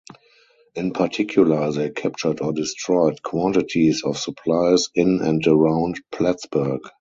In particular, they captured or destroyed quantities of supplies in and around Plattsburgh.